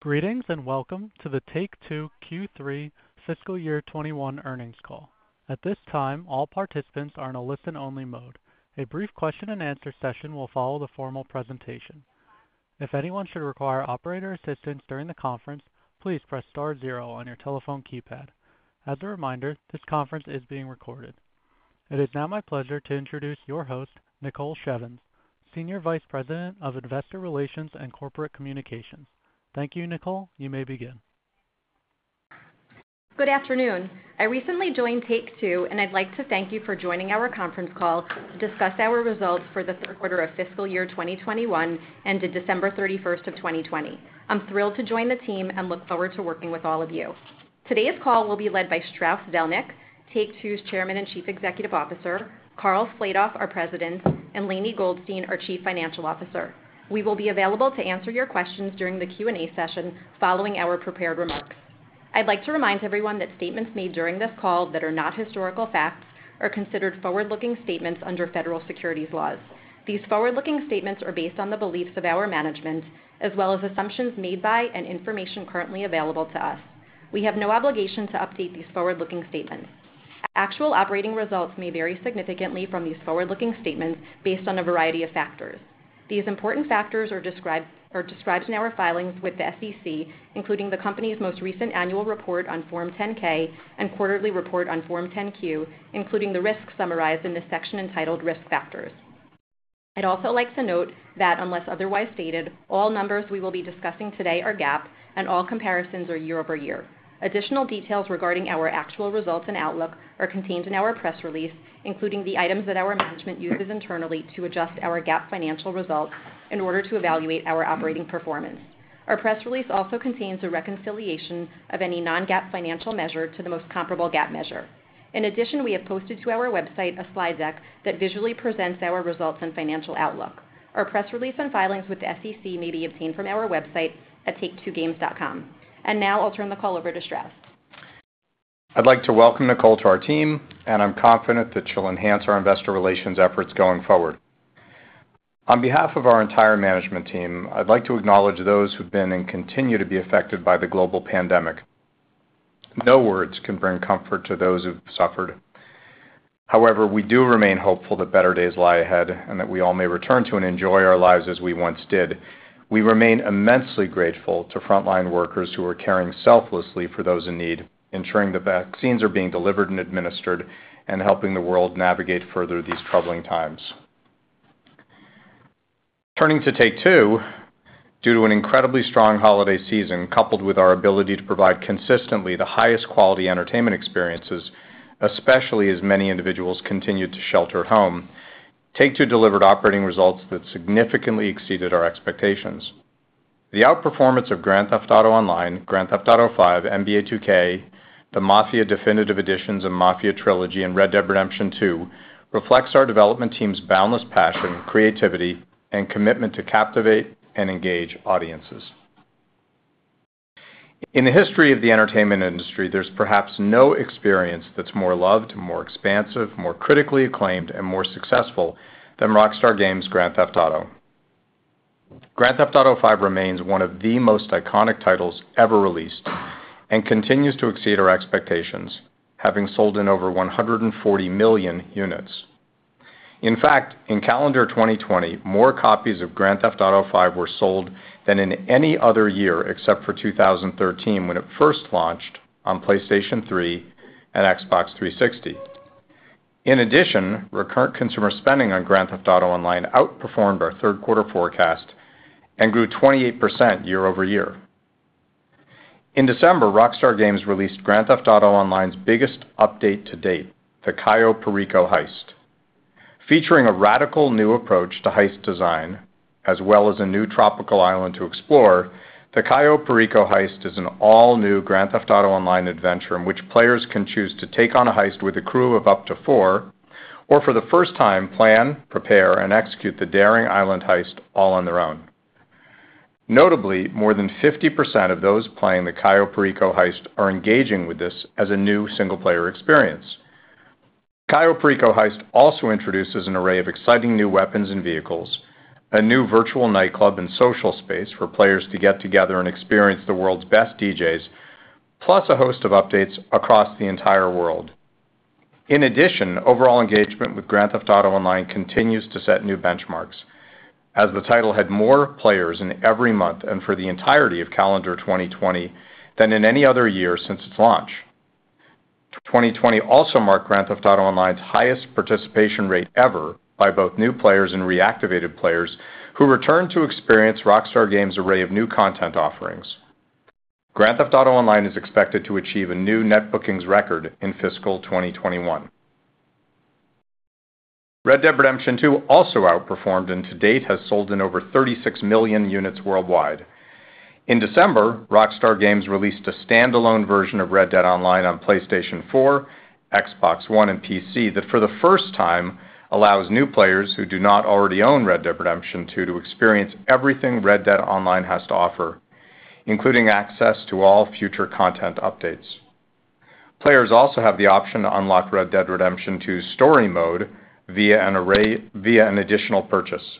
Greetings and welcome to the Take-Two Q3 fiscal year 2021 earnings call. At this time, all participants are in a listen-only mode. A brief question and answer session will follow the formal presentation. If anyone should require operator assistance during the conference, please press star zero on your telephone keypad. As a reminder, this conference is being recorded. It is now my pleasure to introduce your host, Nicole Shevins, Senior Vice President of Investor Relations and Corporate Communications. Thank you, Nicole. You may begin. Good afternoon. I recently joined Take-Two, and I'd like to thank you for joining our conference call to discuss our results for the third quarter of fiscal year 2021 and to December 31st of 2020. I'm thrilled to join the team and look forward to working with all of you. Today's call will be led by Strauss Zelnick, Take-Two's Chairman and Chief Executive Officer, Karl Slatoff, our President, and Lainie Goldstein, our Chief Financial Officer. We will be available to answer your questions during the Q&A session following our prepared remarks. I'd like to remind everyone that statements made during this call that are not historical facts are considered forward-looking statements under federal securities laws. These forward-looking statements are based on the beliefs of our management as well as assumptions made by and information currently available to us. We have no obligation to update these forward-looking statements. Actual operating results may vary significantly from these forward-looking statements based on a variety of factors. These important factors are described in our filings with the SEC, including the company's most recent annual report on Form 10-K and quarterly report on Form 10-Q, including the risks summarized in the section entitled Risk Factors. I'd also like to note that, unless otherwise stated, all numbers we will be discussing today are GAAP and all comparisons are year-over-year. Additional details regarding our actual results and outlook are contained in our press release, including the items that our management uses internally to adjust our GAAP financial results in order to evaluate our operating performance. Our press release also contains a reconciliation of any non-GAAP financial measure to the most comparable GAAP measure. In addition, we have posted to our website a slide deck that visually presents our results and financial outlook. Our press release and filings with the SEC may be obtained from our website at taketwogames.com. Now I'll turn the call over to Strauss. I'd like to welcome Nicole to our team, and I'm confident that she'll enhance our investor relations efforts going forward. On behalf of our entire management team, I'd like to acknowledge those who've been and continue to be affected by the global pandemic. No words can bring comfort to those who've suffered. However, we do remain hopeful that better days lie ahead and that we all may return to and enjoy our lives as we once did. We remain immensely grateful to frontline workers who are caring selflessly for those in need, ensuring that vaccines are being delivered and administered, and helping the world navigate further these troubling times. Turning to Take-Two, due to an incredibly strong holiday season, coupled with our ability to provide consistently the highest quality entertainment experiences, especially as many individuals continued to shelter at home, Take-Two delivered operating results that significantly exceeded our expectations. The outperformance of Grand Theft Auto Online, Grand Theft Auto V, NBA 2K, the Mafia: Definitive Edition and Mafia: Trilogy, and Red Dead Redemption 2 reflects our development team's boundless passion, creativity, and commitment to captivate and engage audiences. In the history of the entertainment industry, there's perhaps no experience that's more loved, more expansive, more critically acclaimed, and more successful than Rockstar Games' Grand Theft Auto. Grand Theft Auto V remains one of the most iconic titles ever released and continues to exceed our expectations, having sold in over 140 million units. In fact, in calendar 2020, more copies of Grand Theft Auto V were sold than in any other year except for 2013 when it first launched on PlayStation 3 and Xbox 360. In addition, recurrent consumer spending on Grand Theft Auto Online outperformed our third quarter forecast and grew 28% year-over-year. In December, Rockstar Games released Grand Theft Auto Online's biggest update to date, The Cayo Perico Heist. Featuring a radical new approach to heist design as well as a new tropical island to explore, The Cayo Perico Heist is an all-new Grand Theft Auto Online adventure in which players can choose to take on a heist with a crew of up to four, or for the first time, plan, prepare, and execute the daring island heist all on their own. Notably, more than 50% of those playing The Cayo Perico Heist are engaging with this as a new single-player experience. Cayo Perico Heist also introduces an array of exciting new weapons and vehicles, a new virtual nightclub and social space for players to get together and experience the world's best DJs, plus a host of updates across the entire world. In addition, overall engagement with Grand Theft Auto Online continues to set new benchmarks as the title had more players in every month and for the entirety of calendar 2020 than in any other year since its launch. 2020 also marked Grand Theft Auto Online's highest participation rate ever by both new players and reactivated players who returned to experience Rockstar Games' array of new content offerings. Grand Theft Auto Online is expected to achieve a new net bookings record in fiscal 2021. Red Dead Redemption 2 also outperformed and to date has sold in over 36 million units worldwide. In December, Rockstar Games released a standalone version of Red Dead Online on PlayStation 4, Xbox One, and PC that for the first time allows new players who do not already own Red Dead Redemption 2 to experience everything Red Dead Online has to offer, including access to all future content updates. Players also have the option to unlock Red Dead Redemption 2 story mode via an additional purchase.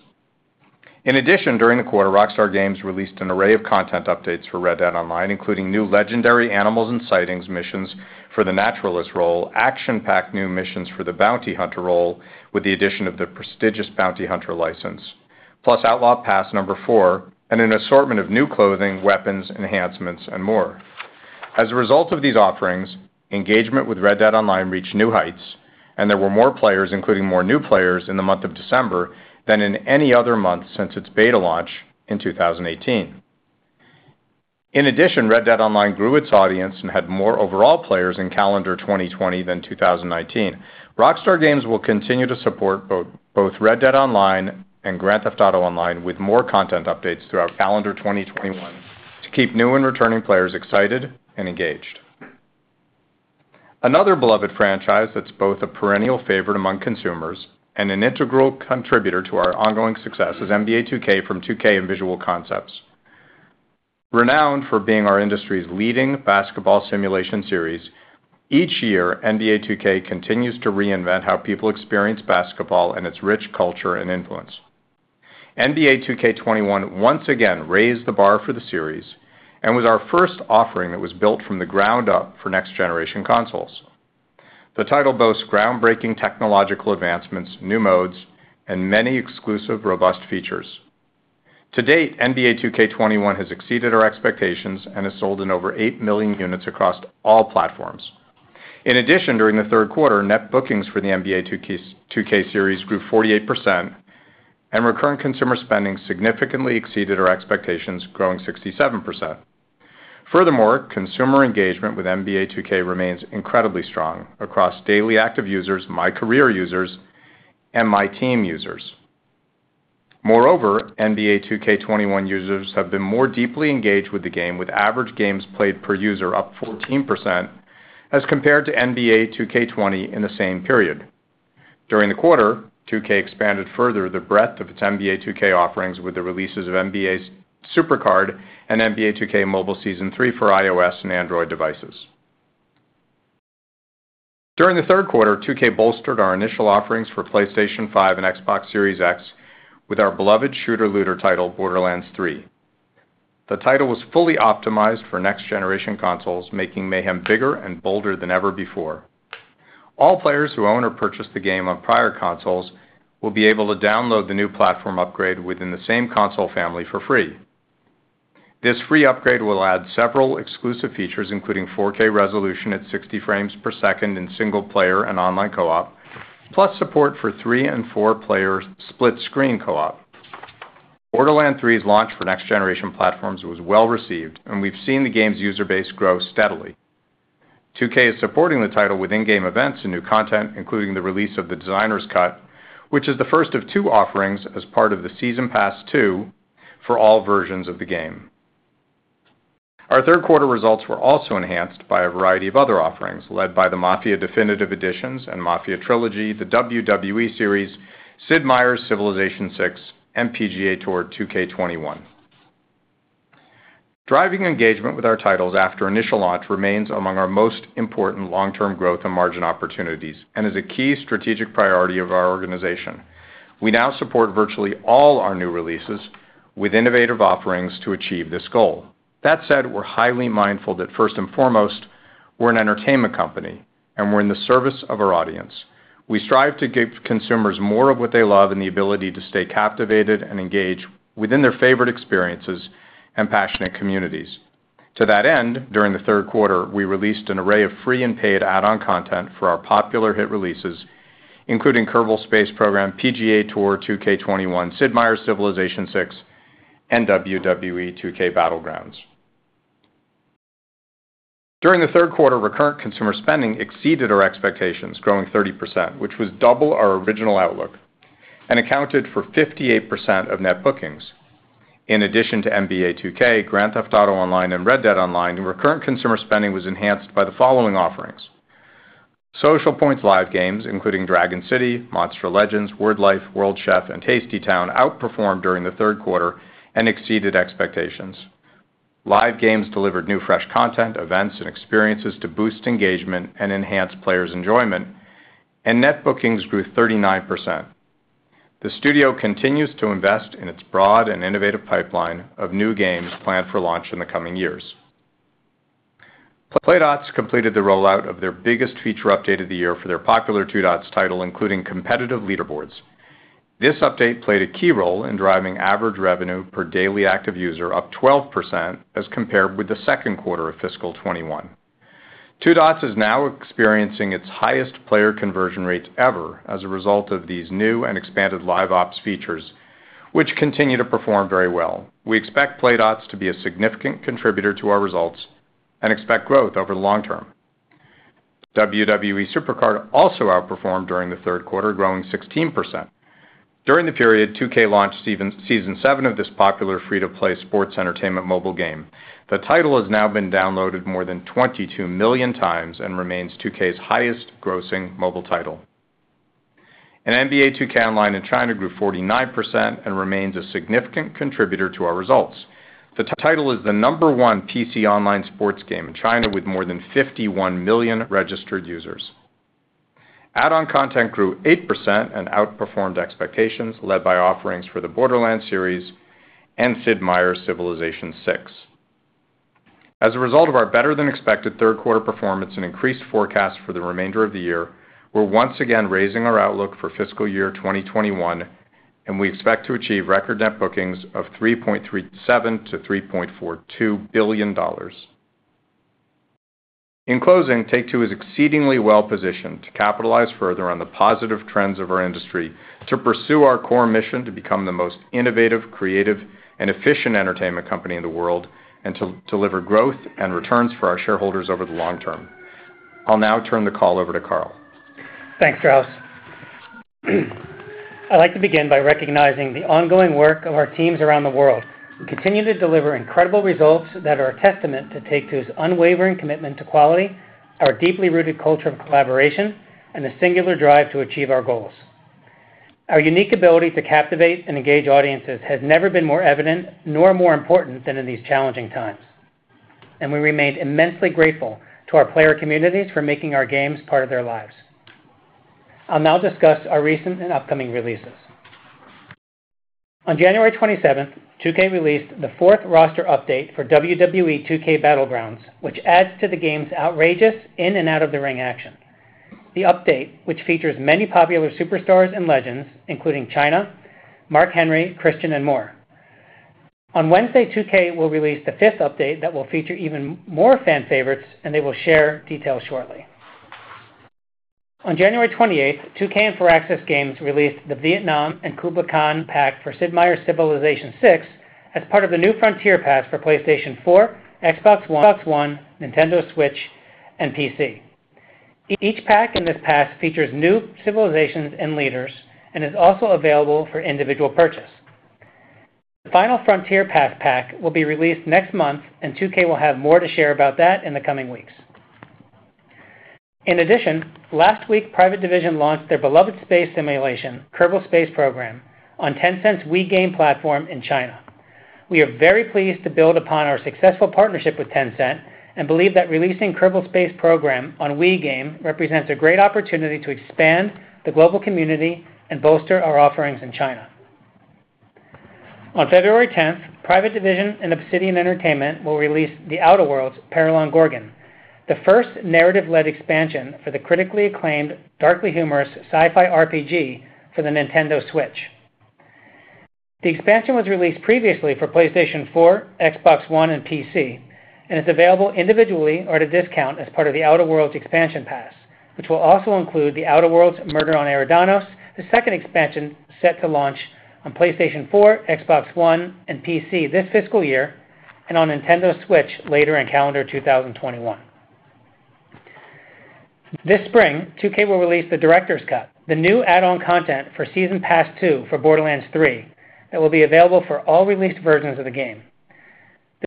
In addition, during the quarter, Rockstar Games released an array of content updates for Red Dead Online, including new legendary animals and sightings missions for the Naturalist role, action-packed new missions for the Bounty Hunter role, with the addition of the prestigious Bounty Hunter license, plus Outlaw Pass number 4, and an assortment of new clothing, weapons, enhancements, and more. As a result of these offerings, engagement with Red Dead Online reached new heights, and there were more players, including more new players, in the month of December than in any other month since its beta launch in 2018. In addition, Red Dead Online grew its audience and had more overall players in calendar 2020 than 2019. Rockstar Games will continue to support both Red Dead Online and Grand Theft Auto Online with more content updates throughout calendar 2021 to keep new and returning players excited and engaged. Another beloved franchise that's both a perennial favorite among consumers and an integral contributor to our ongoing success is NBA 2K from 2K and Visual Concepts. Renowned for being our industry's leading basketball simulation series, each year, NBA 2K continues to reinvent how people experience basketball and its rich culture and influence. NBA 2K21" once again raised the bar for the series and was our first offering that was built from the ground up for next-generation consoles. The title boasts groundbreaking technological advancements, new modes, and many exclusive, robust features. To date, "NBA 2K21" has exceeded our expectations and has sold in over eight million units across all platforms. In addition, during the third quarter, net bookings for the "NBA 2K" series grew 48%, and recurring consumer spending significantly exceeded our expectations, growing 67%. Furthermore, consumer engagement with "NBA 2K" remains incredibly strong across daily active users, MyCAREER users, and MyTEAM users. Moreover, "NBA 2K21" users have been more deeply engaged with the game, with average games played per user up 14% as compared to "NBA 2K20" in the same period. During the quarter, 2K expanded further the breadth of its NBA 2K offerings with the releases of NBA SuperCard and NBA 2K Mobile Season 3 for iOS and Android devices. During the third quarter, 2K bolstered our initial offerings for PlayStation 5 and Xbox Series X with our beloved shooter-looter title, Borderlands 3. The title was fully optimized for next-generation consoles, making mayhem bigger and bolder than ever before. All players who own or purchase the game on prior consoles will be able to download the new platform upgrade within the same console family for free. This free upgrade will add several exclusive features, including 4K resolution at 60 frames per second in single player and online co-op, plus support for three and four player split screen co-op. Borderlands 3's launch for next-generation platforms was well received, and we've seen the game's user base grow steadily. 2K is supporting the title with in-game events and new content, including the release of the Designer's Cut, which is the first of two offerings as part of the Season Pass 2 for all versions of the game. Our third quarter results were also enhanced by a variety of other offerings, led by the "Mafia: Definitive Editions" and "Mafia Trilogy," the "WWE" series, "Sid Meier's Civilization VI," "PGA TOUR 2K21." Driving engagement with our titles after initial launch remains among our most important long-term growth and margin opportunities and is a key strategic priority of our organization. We now support virtually all our new releases with innovative offerings to achieve this goal. That said, we're highly mindful that first and foremost, we're an entertainment company, and we're in the service of our audience. We strive to give consumers more of what they love and the ability to stay captivated and engaged within their favorite experiences and passionate communities. To that end, during the third quarter, we released an array of free and paid add-on content for our popular hit releases, including "Kerbal Space Program," "PGA TOUR 2K21," "Sid Meier's Civilization VI," and "WWE 2K Battlegrounds." During the third quarter, recurrent consumer spending exceeded our expectations, growing 30%, which was double our original outlook and accounted for 58% of net bookings. In addition to "NBA 2K," "Grand Theft Auto Online" and "Red Dead Online," recurrent consumer spending was enhanced by the following offerings. Socialpoint's live games, including "Dragon City," "Monster Legends," "Word Life," "World Chef," and "Tasty Town," outperformed during the third quarter and exceeded expectations. Live games delivered new fresh content, events, and experiences to boost engagement and enhance players' enjoyment. Net bookings grew 39%. The studio continues to invest in its broad and innovative pipeline of new games planned for launch in the coming years. Playdots completed the rollout of their biggest feature update of the year for their popular Two Dots title, including competitive leaderboards. This update played a key role in driving average revenue per daily active user up 12% as compared with the second quarter of fiscal 2021. Two Dots is now experiencing its highest player conversion rates ever as a result of these new and expanded live ops features, which continue to perform very well. We expect Playdots to be a significant contributor to our results and expect growth over the long term. WWE SuperCard also outperformed during the third quarter, growing 16%. During the period, 2K launched Season Seven of this popular free-to-play sports entertainment mobile game. The title has now been downloaded more than 22 million times and remains 2K's highest grossing mobile title. NBA 2K Online in China grew 49% and remains a significant contributor to our results. The title is the number one PC online sports game in China with more than 51 million registered users. Add-on content grew 8% and outperformed expectations led by offerings for the Borderlands series and Sid Meier's Civilization VI. As a result of our better-than-expected third quarter performance and increased forecast for the remainder of the year, we're once again raising our outlook for fiscal year 2021, and we expect to achieve record net bookings of $3.37 billion-$3.42 billion. In closing, Take-Two is exceedingly well-positioned to capitalize further on the positive trends of our industry, to pursue our core mission to become the most innovative, creative, and efficient entertainment company in the world, and to deliver growth and returns for our shareholders over the long term. I'll now turn the call over to Karl. Thanks, Strauss. I'd like to begin by recognizing the ongoing work of our teams around the world, who continue to deliver incredible results that are a testament to Take-Two's unwavering commitment to quality, our deeply rooted culture of collaboration, and a singular drive to achieve our goals. We remain immensely grateful to our player communities for making our games part of their lives. I'll now discuss our recent and upcoming releases. On January 27th, 2K released the fourth roster update for WWE 2K Battlegrounds, which adds to the game's outrageous in-and-out-of-the-ring action. The update, which features many popular superstars and legends, including Chyna, Mark Henry, Christian, and more. On Wednesday, 2K will release the fifth update that will feature even more fan favorites, and they will share details shortly. On January 28th, 2K and Firaxis Games released the Vietnam and Kublai Khan pack for Sid Meier's Civilization VI as part of the New Frontier Pass for PlayStation 4, Xbox One, Nintendo Switch, and PC. Each pack in this Pass features new civilizations and leaders and is also available for individual purchase. The final Frontier Pass pack will be released next month, and 2K will have more to share about that in the coming weeks. In addition, last week, Private Division launched their beloved space simulation, Kerbal Space Program, on Tencent's WeGame platform in China. We are very pleased to build upon our successful partnership with Tencent and believe that releasing Kerbal Space Program on WeGame represents a great opportunity to expand the global community and bolster our offerings in China. On February 10th, Private Division and Obsidian Entertainment will release The Outer Worlds: Peril on Gorgon, the first narrative-led expansion for the critically acclaimed, darkly humorous sci-fi RPG for the Nintendo Switch. The expansion was released previously for PlayStation 4, Xbox One, and PC, and is available individually or at a discount as part of The Outer Worlds expansion pass, which will also include The Outer Worlds: Murder on Eridanos, the second expansion set to launch on PlayStation 4, Xbox One, and PC this fiscal year, and on Nintendo Switch later in calendar 2021. This spring, 2K will release The Director's Cut, the new add-on content for Season Pass 2 for Borderlands 3, that will be available for all released versions of the game.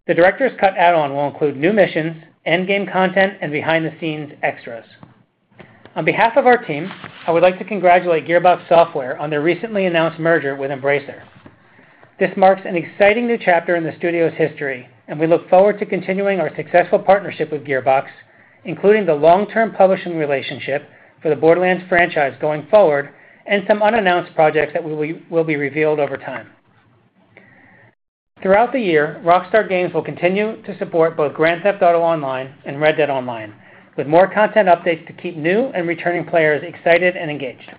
The Director's Cut add-on will include new missions, end-game content, and behind-the-scenes extras. On behalf of our team, I would like to congratulate Gearbox Software on their recently announced merger with Embracer. This marks an exciting new chapter in the studio's history, and we look forward to continuing our successful partnership with Gearbox, including the long-term publishing relationship for the Borderlands franchise going forward, and some unannounced projects that will be revealed over time. Throughout the year, Rockstar Games will continue to support both Grand Theft Auto Online and Red Dead Online, with more content updates to keep new and returning players excited and engaged.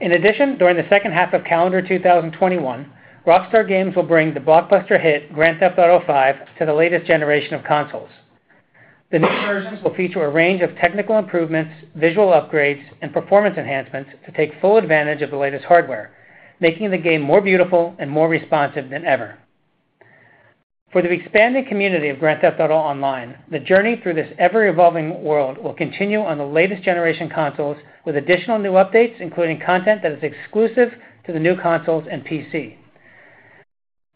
In addition, during the second half of calendar 2021, Rockstar Games will bring the blockbuster hit Grand Theft Auto V to the latest generation of consoles. The new versions will feature a range of technical improvements, visual upgrades, and performance enhancements to take full advantage of the latest hardware, making the game more beautiful and more responsive than ever. For the expanding community of Grand Theft Auto Online, the journey through this ever-evolving world will continue on the latest generation consoles with additional new updates, including content that is exclusive to the new consoles and PC.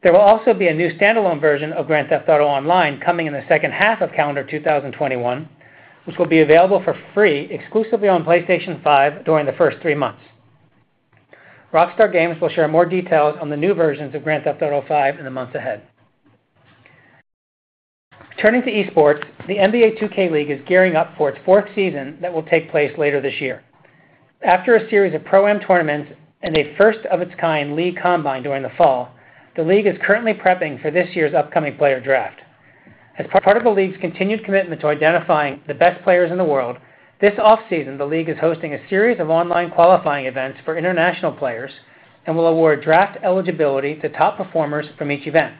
There will also be a new standalone version of Grand Theft Auto Online coming in the second half of calendar 2021, which will be available for free exclusively on PlayStation 5 during the first three months. Rockstar Games will share more details on the new versions of Grand Theft Auto V in the months ahead. Turning to esports, the NBA 2K League is gearing up for its fourth season that will take place later this year. After a series of pro-am tournaments and a first-of-its-kind league combine during the fall, the league is currently prepping for this year's upcoming player draft. As part of the league's continued commitment to identifying the best players in the world, this off-season, the league is hosting a series of online qualifying events for international players and will award draft eligibility to top performers from each event.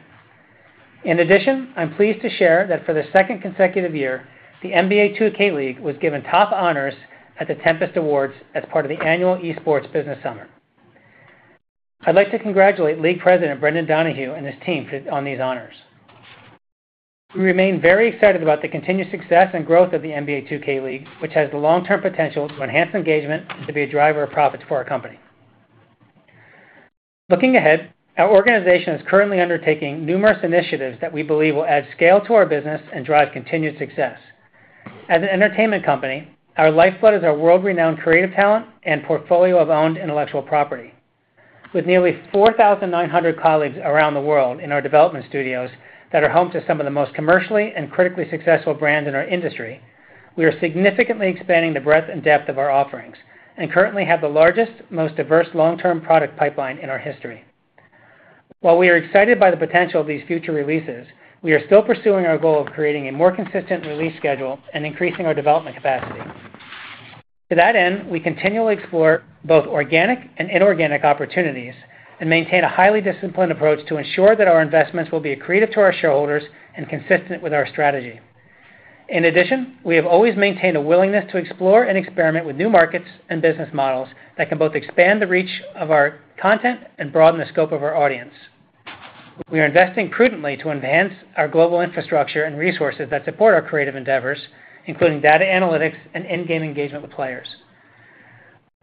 In addition, I'm pleased to share that for the second consecutive year, the NBA 2K League was given top honors at the Tempest Awards as part of the annual Esports Business Summit. I'd like to congratulate League President Brendan Donohue and his team on these honors. We remain very excited about the continued success and growth of the NBA 2K League, which has the long-term potential to enhance engagement and to be a driver of profits for our company. Looking ahead, our organization is currently undertaking numerous initiatives that we believe will add scale to our business and drive continued success. As an entertainment company, our lifeblood is our world-renowned creative talent and portfolio of owned intellectual property. With nearly 4,900 colleagues around the world in our development studios that are home to some of the most commercially and critically successful brands in our industry, we are significantly expanding the breadth and depth of our offerings and currently have the largest, most diverse long-term product pipeline in our history. While we are excited by the potential of these future releases, we are still pursuing our goal of creating a more consistent release schedule and increasing our development capacity. To that end, we continually explore both organic and inorganic opportunities and maintain a highly disciplined approach to ensure that our investments will be accretive to our shareholders and consistent with our strategy. In addition, we have always maintained a willingness to explore and experiment with new markets and business models that can both expand the reach of our content and broaden the scope of our audience. We are investing prudently to enhance our global infrastructure and resources that support our creative endeavors, including data analytics and in-game engagement with players.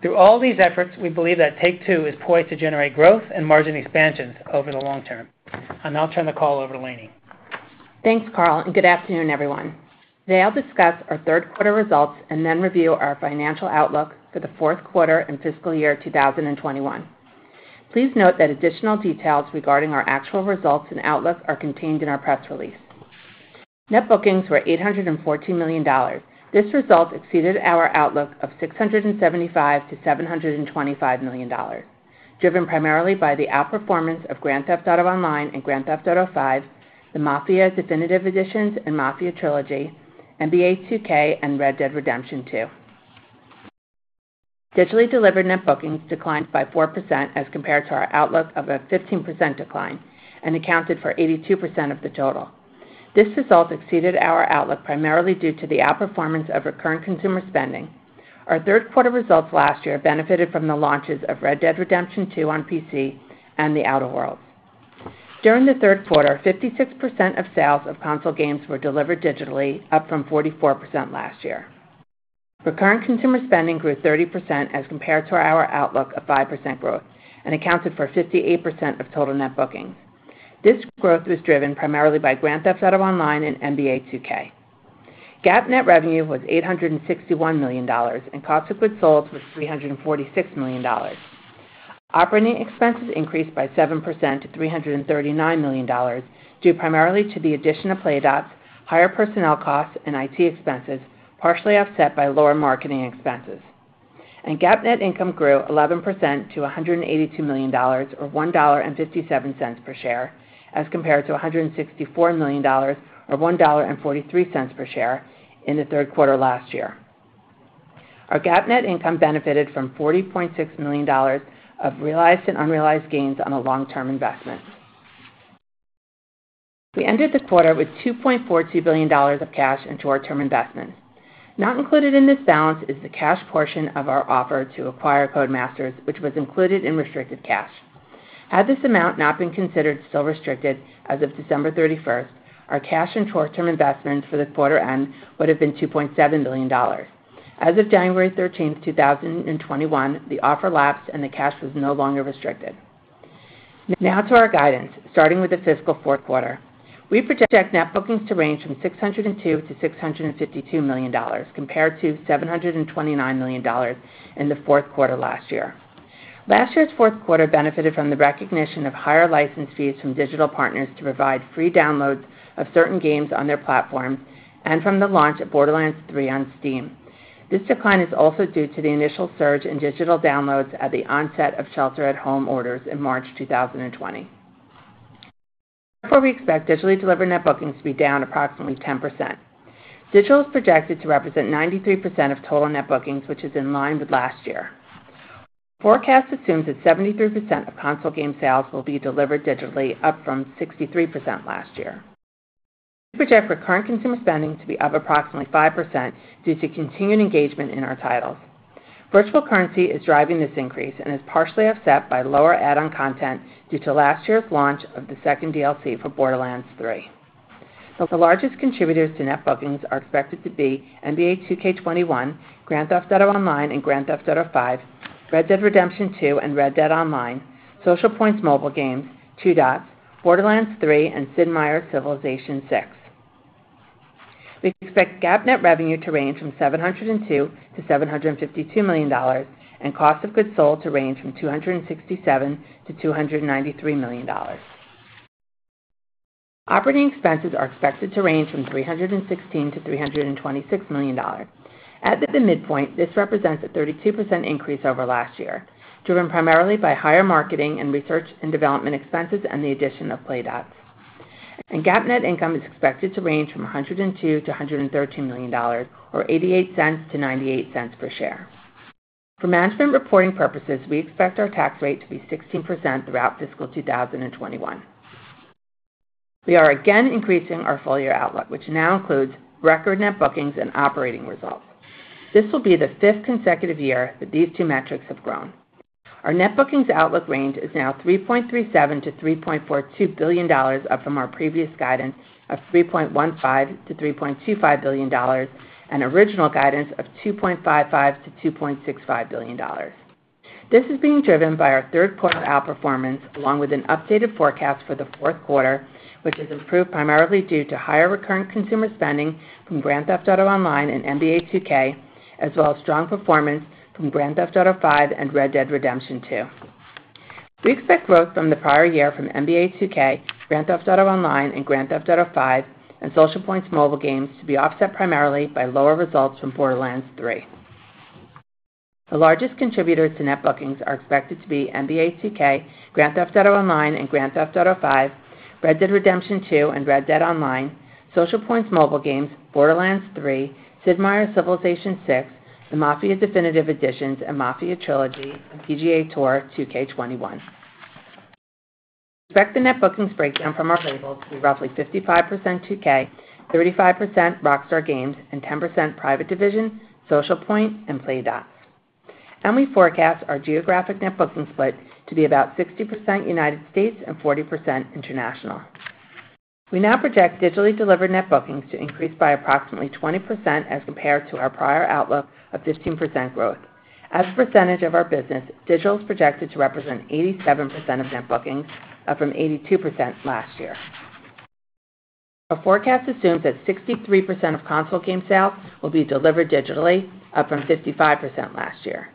Through all these efforts, we believe that Take-Two is poised to generate growth and margin expansions over the long term. I'll now turn the call over to Lainie. Thanks, Karl, good afternoon, everyone. Today, I'll discuss our third quarter results and then review our financial outlook for the fourth quarter and fiscal year 2021. Please note that additional details regarding our actual results and outlook are contained in our press release. Net bookings were $814 million. This result exceeded our outlook of $675 million-$725 million, driven primarily by the outperformance of Grand Theft Auto Online and Grand Theft Auto V, the Mafia: Definitive Editions and Mafia Trilogy, NBA 2K, and Red Dead Redemption 2. Digitally delivered net bookings declined by 4% as compared to our outlook of a 15% decline and accounted for 82% of the total. This result exceeded our outlook primarily due to the outperformance of recurrent consumer spending. Our third quarter results last year benefited from the launches of Red Dead Redemption 2 on PC and The Outer Worlds. During the third quarter, 56% of sales of console games were delivered digitally, up from 44% last year. Recurrent consumer spending grew 30% as compared to our outlook of 5% growth and accounted for 58% of total net bookings. This growth was driven primarily by Grand Theft Auto Online and NBA 2K. GAAP net revenue was $861 million, and cost of goods sold was $346 million. Operating expenses increased by 7% to $339 million due primarily to the addition of Playdots, higher personnel costs, and IT expenses, partially offset by lower marketing expenses. GAAP net income grew 11% to $182 million, or $1.57 per share, as compared to $164 million, or $1.43 per share in the third quarter last year. Our GAAP net income benefited from $40.6 million of realized and unrealized gains on a long-term investment. We ended the quarter with $2.42 billion of cash and short-term investments. Not included in this balance is the cash portion of our offer to acquire Codemasters, which was included in restricted cash. Had this amount not been considered still restricted as of December 31st, our cash and short-term investments for the quarter end would have been $2.7 billion. As of January 13th, 2021, the offer lapsed, and the cash was no longer restricted. Now to our guidance, starting with the fiscal fourth quarter. We project net bookings to range from $602 million-$652 million, compared to $729 million in the fourth quarter last year. Last year's fourth quarter benefited from the recognition of higher license fees from digital partners to provide free downloads of certain games on their platform and from the launch of Borderlands 3 on Steam. This decline is also due to the initial surge in digital downloads at the onset of shelter at home orders in March 2020. Therefore, we expect digitally delivered net bookings to be down approximately 10%. Digital is projected to represent 93% of total net bookings, which is in line with last year. Forecast assumes that 73% of console game sales will be delivered digitally, up from 63% last year. We project recurrent consumer spending to be up approximately 5% due to continued engagement in our titles. Virtual currency is driving this increase and is partially offset by lower add-on content due to last year's launch of the second DLC for Borderlands 3. The largest contributors to net bookings are expected to be NBA 2K21, Grand Theft Auto Online and Grand Theft Auto V, Red Dead Redemption 2 and Red Dead Online, Socialpoint's mobile games, Two Dots, Borderlands 3, and Sid Meier's Civilization VI. We expect GAAP net revenue to range from $702 million-$752 million and cost of goods sold to range from $267 million-$293 million. Operating expenses are expected to range from $316 million-$326 million. As of the midpoint, this represents a 32% increase over last year, driven primarily by higher marketing and research and development expenses and the addition of Playdots. GAAP net income is expected to range from $102 million-$113 million, or $0.88-$0.98 per share. For management reporting purposes, we expect our tax rate to be 16% throughout fiscal 2021. We are again increasing our full-year outlook, which now includes record net bookings and operating results. This will be the fifth consecutive year that these two metrics have grown. Our net bookings outlook range is now $3.37 billion-$3.42 billion, up from our previous guidance of $3.15 billion-$3.25 billion, and original guidance of $2.55 billion-$2.65 billion. This is being driven by our third quarter outperformance, along with an updated forecast for the fourth quarter, which has improved primarily due to higher recurrent consumer spending from Grand Theft Auto Online and NBA 2K, as well as strong performance from Grand Theft Auto V and Red Dead Redemption 2. We expect growth from the prior year from NBA 2K, Grand Theft Auto Online, Grand Theft Auto V, and Socialpoint's mobile games to be offset primarily by lower results from Borderlands 3. The largest contributors to net bookings are expected to be NBA 2K, Grand Theft Auto Online, and Grand Theft Auto V, Red Dead Redemption 2 and Red Dead Online, Socialpoint's mobile games, Borderlands 3, Sid Meier's Civilization VI, the Mafia Definitive Editions and Mafia: Trilogy, and PGA TOUR 2K21. We expect the net bookings breakdown from our labels to be roughly 55% 2K, 35% Rockstar Games, and 10% Private Division, Socialpoint, and Playdots. We forecast our geographic net bookings split to be about 60% U.S. and 40% international. We now project digitally delivered net bookings to increase by approximately 20% as compared to our prior outlook of 15% growth. As a percentage of our business, digital is projected to represent 87% of net bookings, up from 82% last year. Our forecast assumes that 63% of console game sales will be delivered digitally, up from 55% last year.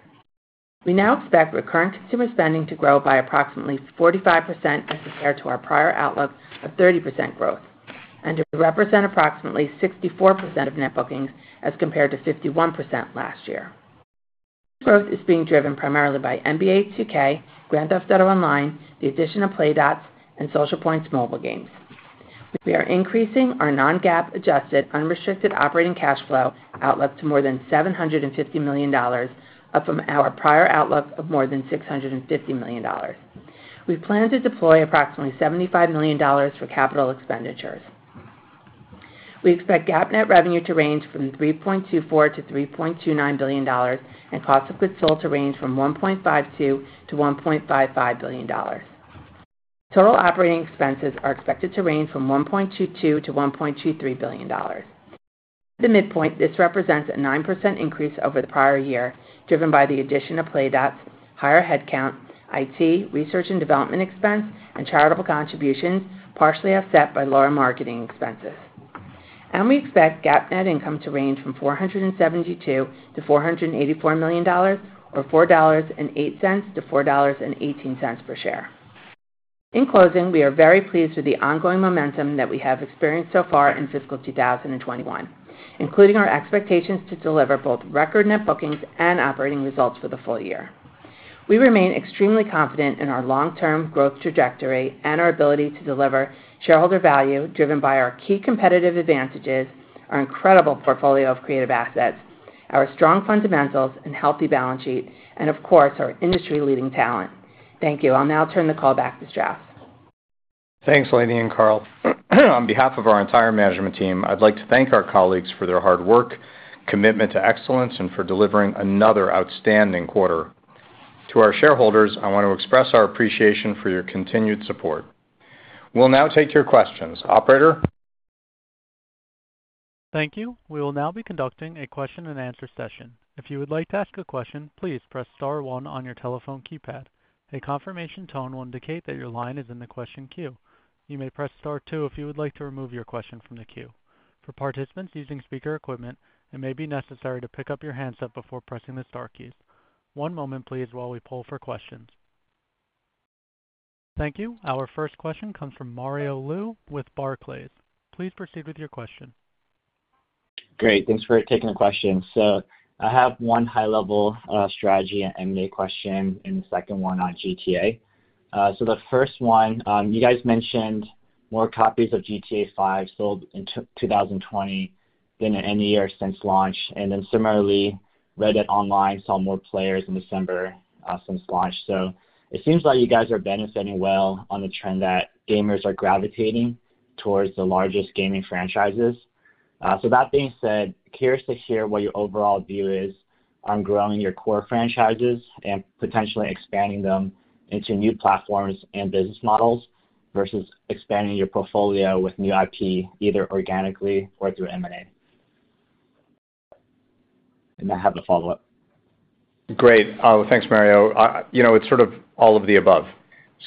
We now expect recurrent consumer spending to grow by approximately 45% as compared to our prior outlook of 30% growth, and to represent approximately 64% of net bookings as compared to 51% last year. This growth is being driven primarily by NBA 2K, Grand Theft Auto Online, the addition of Playdots, and Socialpoint's mobile games. We are increasing our non-GAAP adjusted unrestricted operating cash flow outlook to more than $750 million, up from our prior outlook of more than $650 million. We plan to deploy approximately $75 million for capital expenditures. We expect GAAP net revenue to range from $3.24 billion-$3.29 billion and cost of goods sold to range from $1.52 billion-$1.55 billion. Total operating expenses are expected to range from $1.22 billion-$1.23 billion. At the midpoint, this represents a 9% increase over the prior year, driven by the addition of Playdots, higher headcount, IT, research and development expense, and charitable contributions, partially offset by lower marketing expenses. We expect GAAP net income to range from $472 million-$484 million, or $4.08 per share-$4.18 per share. In closing, we are very pleased with the ongoing momentum that we have experienced so far in fiscal 2021, including our expectations to deliver both record net bookings and operating results for the full year. We remain extremely confident in our long-term growth trajectory and our ability to deliver shareholder value driven by our key competitive advantages, our incredible portfolio of creative assets, our strong fundamentals and healthy balance sheet, and of course, our industry-leading talent. Thank you. I'll now turn the call back to Strauss. Thanks, Lainie and Karl. On behalf of our entire management team, I'd like to thank our colleagues for their hard work, commitment to excellence, and for delivering another outstanding quarter. To our shareholders, I want to express our appreciation for your continued support. We'll now take your questions. Operator? Our first question comes from Mario Lu with Barclays. Please proceed with your question. Great. Thanks for taking the question. I have one high-level strategy M&A question and the second one on GTA. The first one, you guys mentioned more copies of GTA V sold in 2020 than any year since launch, and then similarly, Red Dead Online saw more players in December since launch. It seems like you guys are benefiting well on the trend that gamers are gravitating towards the largest gaming franchises. That being said, curious to hear what your overall view is on growing your core franchises and potentially expanding them into new platforms and business models versus expanding your portfolio with new IP, either organically or through M&A. I have the follow-up. Great. Thanks, Mario. It's sort of all of the above.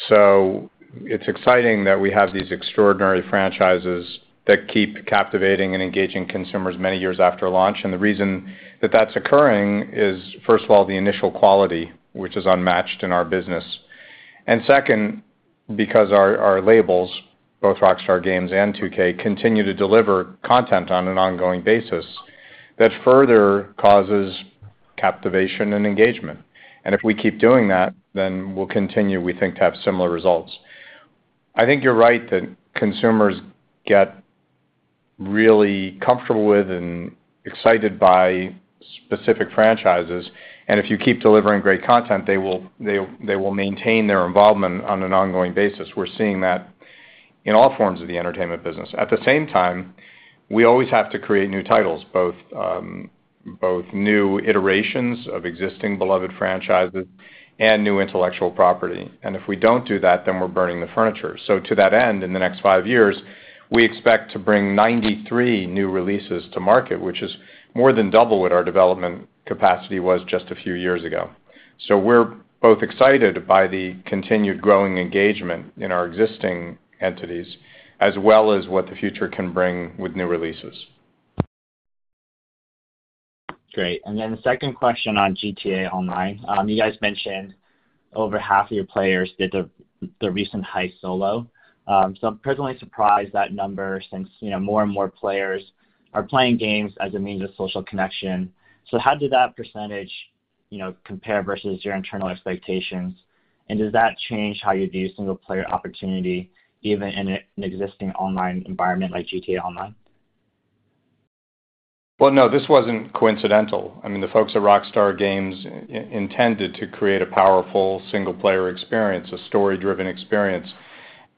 It's exciting that we have these extraordinary franchises that keep captivating and engaging consumers many years after launch. The reason that that's occurring is, first of all, the initial quality, which is unmatched in our business. Second, because our labels, both Rockstar Games and 2K, continue to deliver content on an ongoing basis that further causes captivation and engagement. If we keep doing that, we'll continue, we think, to have similar results. I think you're right that consumers get really comfortable with and excited by specific franchises, and if you keep delivering great content, they will maintain their involvement on an ongoing basis. We're seeing that in all forms of the entertainment business. At the same time, we always have to create new titles, both new iterations of existing beloved franchises and new intellectual property. If we don't do that, then we're burning the furniture. To that end, in the next five years, we expect to bring 93 new releases to market, which is more than double what our development capacity was just a few years ago. We're both excited by the continued growing engagement in our existing entities, as well as what the future can bring with new releases. Great. The second question on GTA Online. You guys mentioned over half of your players did the recent Heist solo. I'm pleasantly surprised that number since more and more players are playing games as a means of social connection. How did that percentage compare versus your internal expectations? Does that change how you view single player opportunity even in an existing online environment like GTA Online? Well, no, this wasn't coincidental. The folks at Rockstar Games intended to create a powerful single-player experience, a story-driven experience.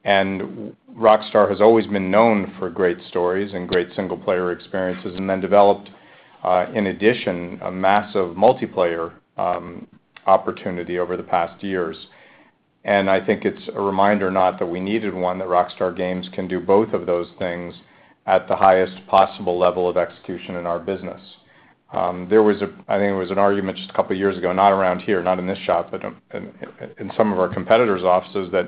Rockstar has always been known for great stories and great single-player experiences, and then developed, in addition, a massive multiplayer opportunity over the past years. I think it's a reminder not that we needed one, that Rockstar Games can do both of those things at the highest possible level of execution in our business. I think there was an argument just a couple of years ago, not around here, not in this shop, but in some of our competitors' offices, that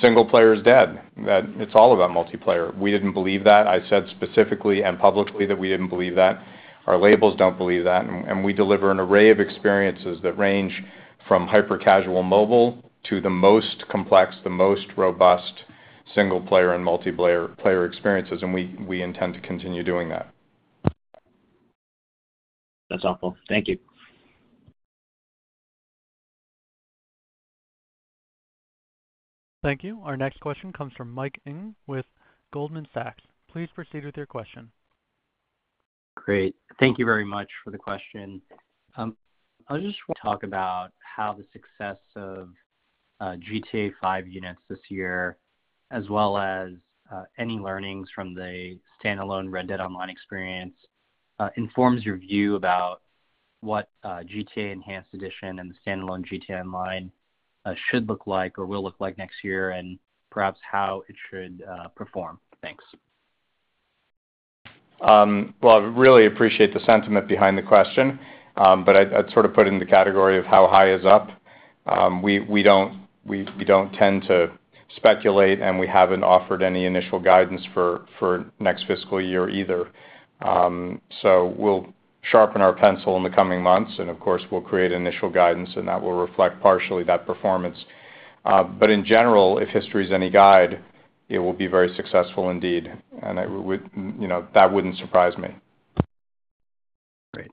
single player is dead, that it's all about multiplayer. We didn't believe that. I said specifically and publicly that we didn't believe that. Our labels don't believe that. We deliver an array of experiences that range from hyper-casual mobile to the most complex, the most robust single player and multiplayer experiences, and we intend to continue doing that. That's helpful. Thank you. Thank you. Our next question comes from Mike Ng with Goldman Sachs. Please proceed with your question. Great. Thank you very much for the question. I just want to talk about how the success of GTA V units this year, as well as any learnings from the standalone Red Dead Online experience informs your view about what GTA Enhanced Edition and the standalone GTA Online should look like or will look like next year, and perhaps how it should perform. Thanks. I really appreciate the sentiment behind the question, I'd sort of put it in the category of how high is up. We don't tend to speculate, we haven't offered any initial guidance for next fiscal year either. We'll sharpen our pencil in the coming months, of course, we'll create initial guidance, that will reflect partially that performance. In general, if history is any guide, it will be very successful indeed, that wouldn't surprise me. Great.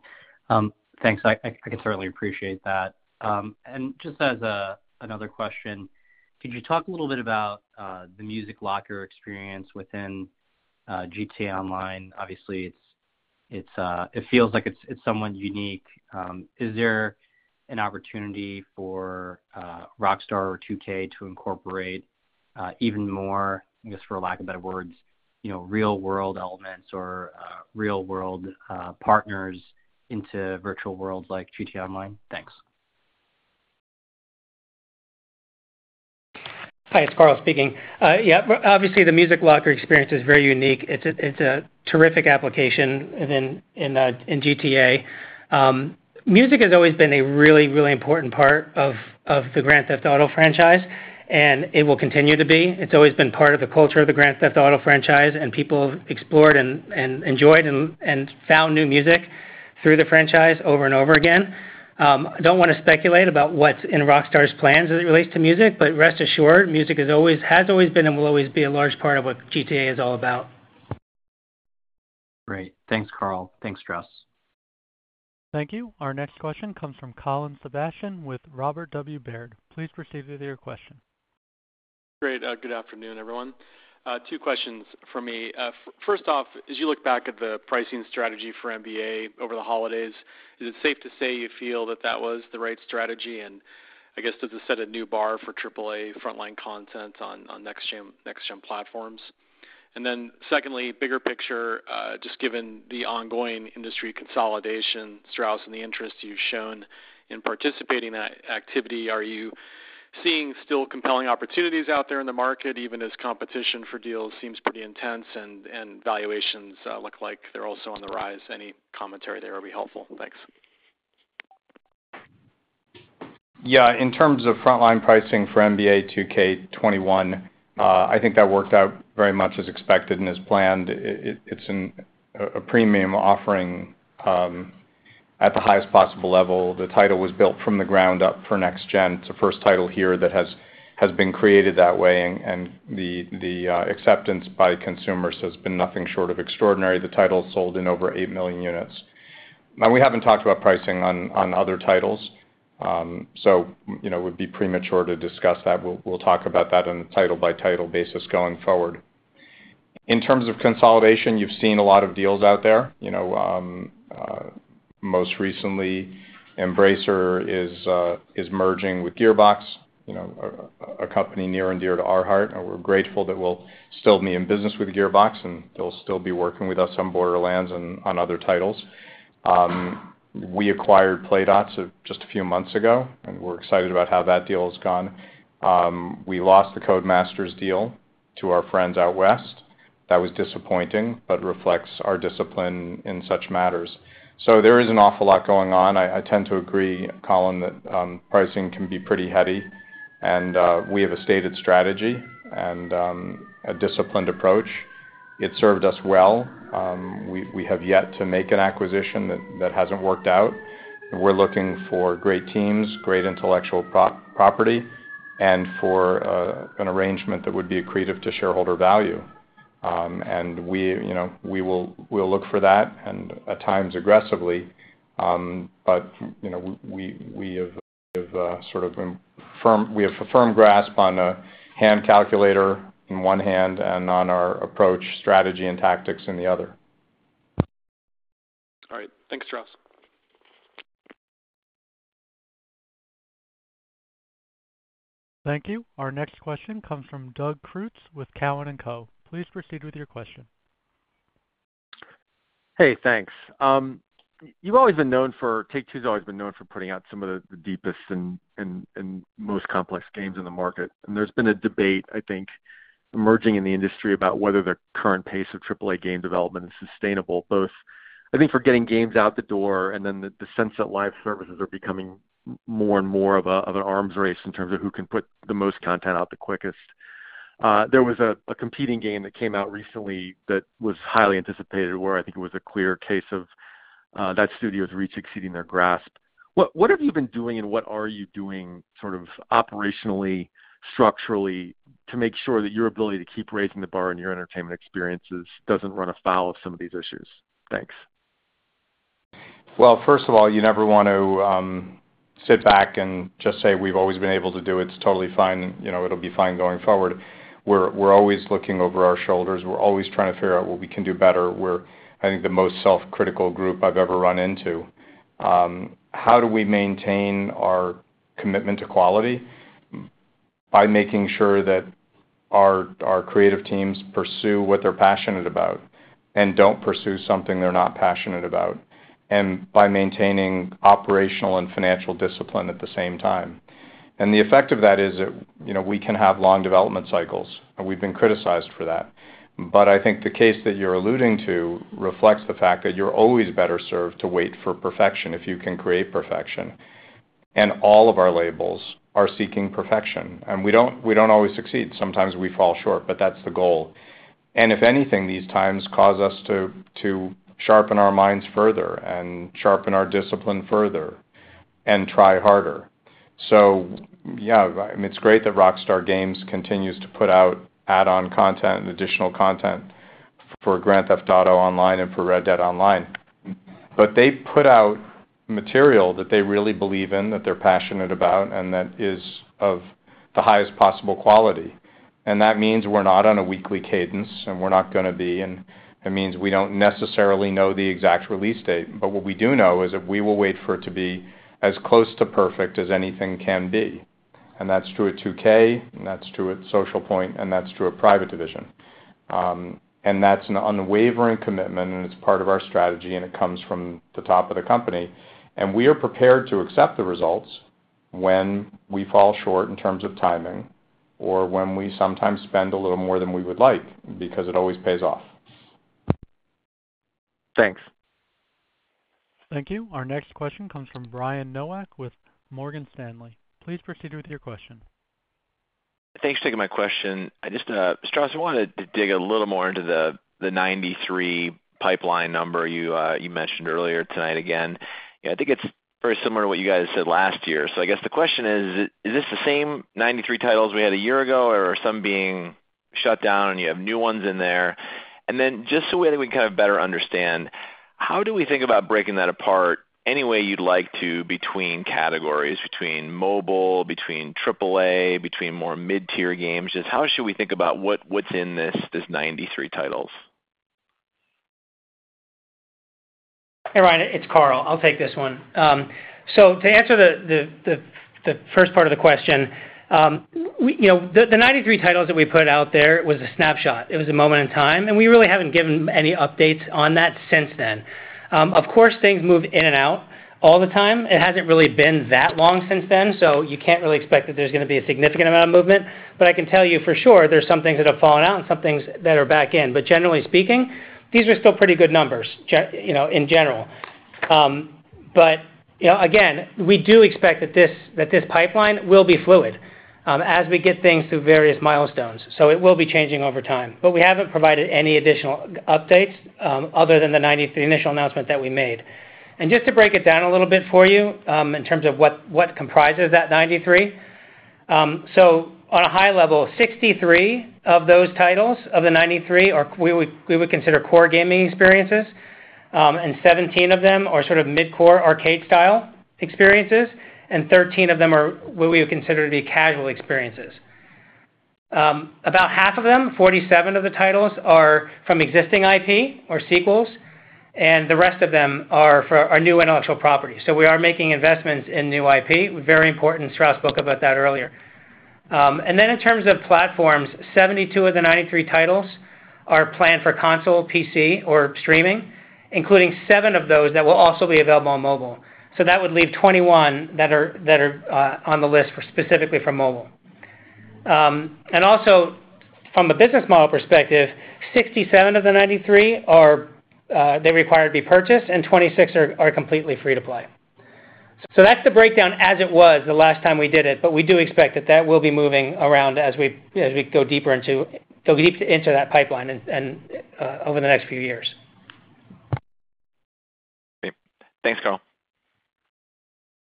Thanks. I can certainly appreciate that. Just as another question, could you talk a little bit about The Music Locker experience within GTA Online? Obviously, it feels like it's somewhat unique. Is there an opportunity for Rockstar or 2K to incorporate even more, I guess, for lack of better words, real-world elements or real-world partners into virtual worlds like GTA Online? Thanks. Hi, it's Karl speaking. Obviously, the Music Locker experience is very unique. It's a terrific application in GTA. Music has always been a really, really important part of the Grand Theft Auto franchise, and it will continue to be. It's always been part of the culture of the Grand Theft Auto franchise, and people explored and enjoyed and found new music through the franchise over and over again. I don't want to speculate about what's in Rockstar Games' plans as it relates to music, but rest assured, music has always been and will always be a large part of what GTA is all about. Great. Thanks, Karl. Thanks, Strauss. Thank you. Our next question comes from Colin Sebastian with Robert W. Baird. Please proceed with your question. Great. Good afternoon, everyone. Two questions from me. First off, as you look back at the pricing strategy for NBA over the holidays, is it safe to say you feel that that was the right strategy, and I guess does it set a new bar for AAA frontline content on next-gen platforms? Secondly, bigger picture, just given the ongoing industry consolidation, Strauss, and the interest you've shown in participating activity, are you seeing still compelling opportunities out there in the market, even as competition for deals seems pretty intense and valuations look like they're also on the rise? Any commentary there will be helpful. Thanks. Yeah. In terms of frontline pricing for NBA 2K21, I think that worked out very much as expected and as planned. It's a premium offering at the highest possible level. The title was built from the ground up for next gen. It's the first title here that has been created that way, and the acceptance by consumers has been nothing short of extraordinary. The title sold in over eight million units. Now, we haven't talked about pricing on other titles so it would be premature to discuss that. We'll talk about that on a title-by-title basis going forward. In terms of consolidation, you've seen a lot of deals out there. Most recently, Embracer is merging with Gearbox, a company near and dear to our heart, and we're grateful that we'll still be in business with Gearbox, and they'll still be working with us on Borderlands and on other titles. We acquired Playdots just a few months ago, and we're excited about how that deal has gone. We lost the Codemasters deal to our friends out West. That was disappointing, but reflects our discipline in such matters. There is an awful lot going on. I tend to agree, Colin, that pricing can be pretty heady. We have a stated strategy and a disciplined approach. It served us well. We have yet to make an acquisition that hasn't worked out. We're looking for great teams, great intellectual property, and for an arrangement that would be accretive to shareholder value. We will look for that, and at times aggressively. We have a firm grasp on a hand calculator in one hand and on our approach, strategy, and tactics in the other. All right. Thanks, Strauss. Thank you. Our next question comes from Doug Creutz with Cowen and Company. Please proceed with your question. Hey, thanks. Take-Two's always been known for putting out some of the deepest and most complex games in the market. There's been a debate, I think, emerging in the industry about whether the current pace of AAA game development is sustainable, both, I think, for getting games out the door and the sense that live services are becoming more and more of an arms race in terms of who can put the most content out the quickest. There was a competing game that came out recently that was highly anticipated, where I think it was a clear case of that studio's reach exceeding their grasp. What have you been doing, and what are you doing operationally, structurally to make sure that your ability to keep raising the bar in your entertainment experiences doesn't run afoul of some of these issues? Thanks. Well, first of all, you never want to sit back and just say, "We've always been able to do it. It's totally fine. It'll be fine going forward." We're always looking over our shoulders. We're always trying to figure out what we can do better. We're, I think, the most self-critical group I've ever run into. How do we maintain our commitment to quality? By making sure that our creative teams pursue what they're passionate about and don't pursue something they're not passionate about, and by maintaining operational and financial discipline at the same time. The effect of that is we can have long development cycles, and we've been criticized for that. I think the case that you're alluding to reflects the fact that you're always better served to wait for perfection if you can create perfection. All of our labels are seeking perfection, and we don't always succeed. Sometimes we fall short, but that's the goal. If anything, these times cause us to sharpen our minds further and sharpen our discipline further and try harder. Yeah, it's great that Rockstar Games continues to put out add-on content and additional content for Grand Theft Auto Online and for Red Dead Online. They put out material that they really believe in, that they're passionate about, and that is of the highest possible quality. That means we're not on a weekly cadence, and we're not going to be, and it means we don't necessarily know the exact release date. What we do know is that we will wait for it to be as close to perfect as anything can be. That's true at 2K, and that's true at Socialpoint, and that's true at Private Division. That's an unwavering commitment, and it's part of our strategy, and it comes from the top of the company. We are prepared to accept the results when we fall short in terms of timing or when we sometimes spend a little more than we would like because it always pays off. Thanks. Thank you. Our next question comes from Brian Nowak with Morgan Stanley. Please proceed with your question. Thanks for taking my question. Strauss, I wanted to dig a little more into the 93 pipeline number you mentioned earlier tonight again. I think it's very similar to what you guys said last year. I guess the question is: Is this the same 93 titles we had a year ago, or are some being shut down and you have new ones in there? Just so we can kind of better understand, how do we think about breaking that apart any way you'd like to between categories, between mobile, between AAA, between more mid-tier games? Just how should we think about what's in these 93 titles? Hey, Brian, it's Karl. I'll take this one. To answer the first part of the question, the 93 titles that we put out there was a snapshot. It was a moment in time, we really haven't given any updates on that since then. Of course, things move in and out all the time. It hasn't really been that long since then, you can't really expect that there's going to be a significant amount of movement. I can tell you for sure there's some things that have fallen out and some things that are back in. Generally speaking, these are still pretty good numbers in general. Again, we do expect that this pipeline will be fluid as we get things through various milestones. It will be changing over time. We haven't provided any additional updates other than the initial announcement that we made. Just to break it down a little bit for you in terms of what comprises that 93. On a high level, 63 of those titles, of the 93, we would consider core gaming experiences, and 17 of them are sort of mid-core arcade style experiences, and 13 of them are what we would consider to be casual experiences. About half of them, 47 of the titles, are from existing IP or sequels, and the rest of them are new intellectual property. We are making investments in new IP. Very important. Strauss spoke about that earlier. Then in terms of platforms, 72 of the 93 titles are planned for console, PC, or streaming, including seven of those that will also be available on mobile. That would leave 21 that are on the list specifically for mobile. Also from a business model perspective, 67 of the 93, they require to be purchased, and 26 are completely free to play. That's the breakdown as it was the last time we did it, but we do expect that that will be moving around as we go deep into that pipeline and over the next few years. Great. Thanks, Karl.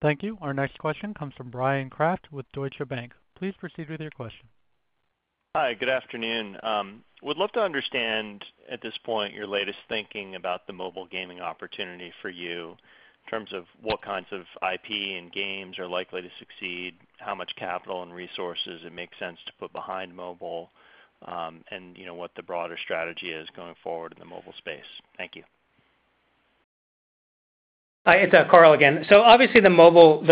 Thank you. Our next question comes from Bryan Kraft with Deutsche Bank. Please proceed with your question. Hi, good afternoon. Would love to understand, at this point, your latest thinking about the mobile gaming opportunity for you in terms of what kinds of IP and games are likely to succeed, how much capital and resources it makes sense to put behind mobile, and what the broader strategy is going forward in the mobile space. Thank you. Hi, it's Karl again. Obviously, the mobile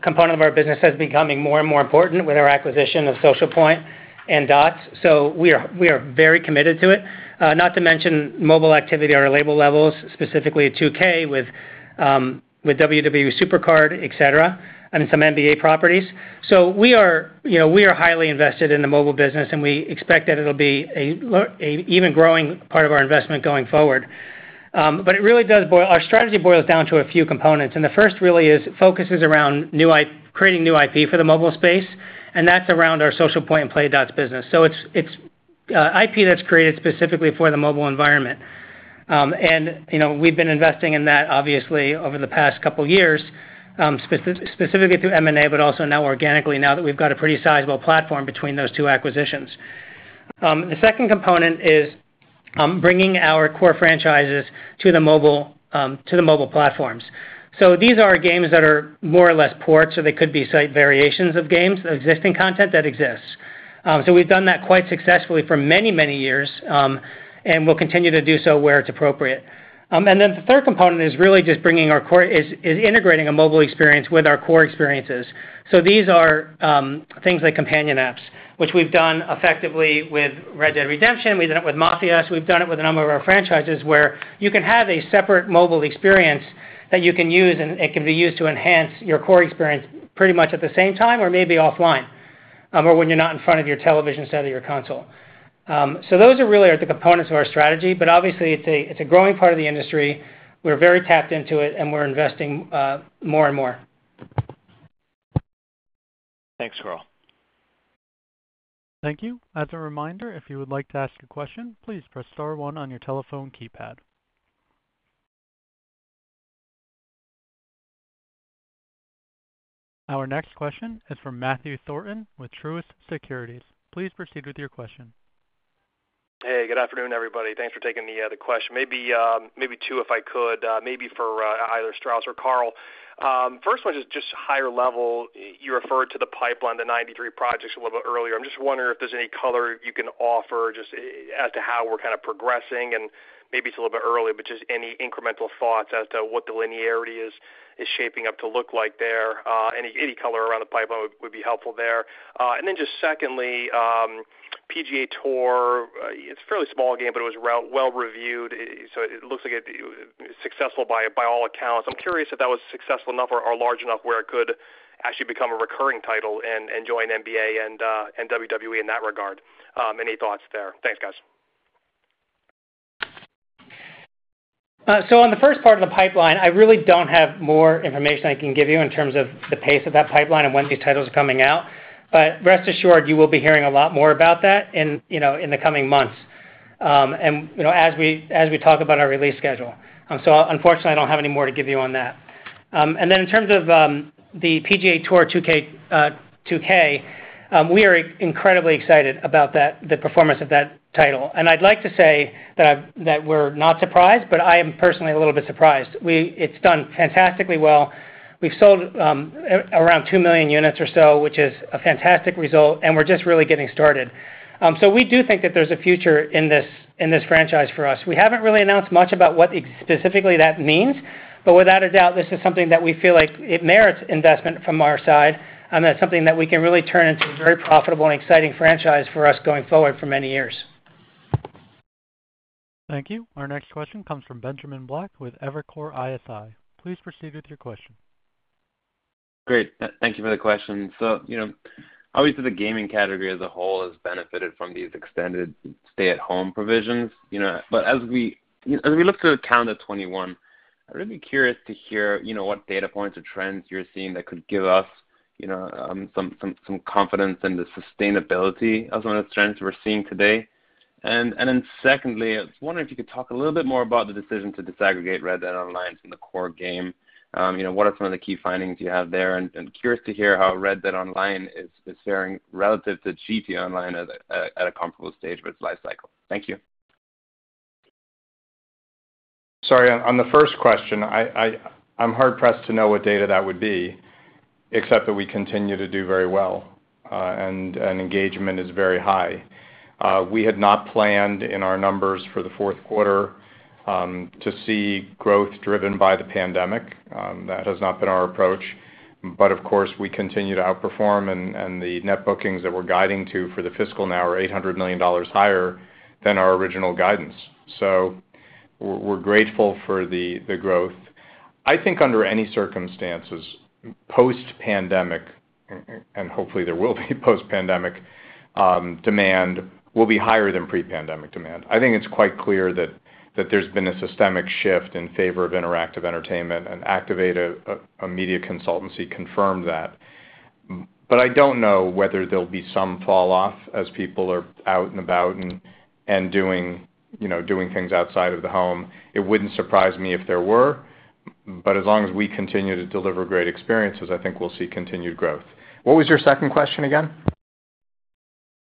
component of our business has been becoming more and more important with our acquisition of Socialpoint and Playdots. We are very committed to it, not to mention mobile activity at our label levels, specifically at 2K with WWE SuperCard, et cetera, and some NBA properties. We are highly invested in the mobile business, and we expect that it'll be an even growing part of our investment going forward. Our strategy boils down to a few components, and the first really focuses around creating new IP for the mobile space, and that's around our Socialpoint and Playdots business. It's IP that's created specifically for the mobile environment. We've been investing in that, obviously, over the past couple of years, specifically through M&A, but also now organically now that we've got a pretty sizable platform between those two acquisitions. The second component is bringing our core franchises to the mobile platforms. These are games that are more or less ports, so they could be slight variations of games of existing content that exists. We've done that quite successfully for many, many years, and we'll continue to do so where it's appropriate. The third component is integrating a mobile experience with our core experiences. These are things like companion apps, which we've done effectively with Red Dead Redemption, we've done it with Mafia, we've done it with a number of our franchises where you can have a separate mobile experience that you can use, and it can be used to enhance your core experience pretty much at the same time or maybe offline or when you're not in front of your television set or your console. Those are really are the components of our strategy, but obviously, it's a growing part of the industry. We're very tapped into it, and we're investing more and more. Thanks, Karl. Thank you. As a reminder, if you would like to ask a question, please press star one on your telephone keypad. Our next question is from Matthew Thornton with Truist Securities. Please proceed with your question. Hey, good afternoon, everybody. Thanks for taking the other question. Maybe two, if I could. Maybe for either Strauss or Karl. First one is just higher level. You referred to the pipeline, the 93 projects a little bit earlier. I'm just wondering if there's any color you can offer just as to how we're kind of progressing, and maybe it's a little bit early, but just any incremental thoughts as to what the linearity is shaping up to look like there. Any color around the pipeline would be helpful there. Just secondly, PGA Tour, it's a fairly small game, but it was well reviewed, so it looks like it was successful by all accounts. I'm curious if that was successful enough or large enough where it could actually become a recurring title and join NBA and WWE in that regard. Any thoughts there? Thanks, guys. On the first part of the pipeline, I really don't have more information I can give you in terms of the pace of that pipeline and when these titles are coming out. Rest assured, you will be hearing a lot more about that in the coming months as we talk about our release schedule. Unfortunately, I don't have any more to give you on that. In terms of the PGA Tour 2K, we are incredibly excited about the performance of that title. I'd like to say that we're not surprised, but I am personally a little bit surprised. It's done fantastically well. We've sold around 2 million units or so, which is a fantastic result, and we're just really getting started. We do think that there's a future in this franchise for us. We haven't really announced much about what specifically that means, but without a doubt, this is something that we feel like it merits investment from our side, and that's something that we can really turn into a very profitable and exciting franchise for us going forward for many years. Thank you. Our next question comes from Benjamin Black with Evercore ISI. Please proceed with your question. Great. Thank you for the question. Obviously, the gaming category as a whole has benefited from these extended stay-at-home provisions. As we look to calendar 2021, I'm really curious to hear what data points or trends you're seeing that could give us some confidence in the sustainability of some of the trends we're seeing today. Secondly, I was wondering if you could talk a little bit more about the decision to disaggregate Red Dead Online from the core game. What are some of the key findings you have there? Curious to hear how Red Dead Online is faring relative to GTA Online at a comparable stage of its life cycle. Thank you. Sorry. On the first question, I'm hard pressed to know what data that would be, except that we continue to do very well and engagement is very high. We had not planned in our numbers for the fourth quarter to see growth driven by the pandemic. That has not been our approach. Of course, we continue to outperform, and the net bookings that we're guiding to for the fiscal now are $800 million higher than our original guidance. We're grateful for the growth. I think under any circumstances, post-pandemic, and hopefully there will be post-pandemic, demand will be higher than pre-pandemic demand. I think it's quite clear that there's been a systemic shift in favor of interactive entertainment, Activate Consulting, a media consultancy, confirmed that. I don't know whether there'll be some falloff as people are out and about and doing things outside of the home. It wouldn't surprise me if there were, but as long as we continue to deliver great experiences, I think we'll see continued growth. What was your second question again?